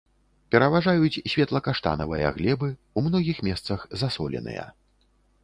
Пераважаюць светла-каштанавыя глебы, у многіх месцах засоленыя.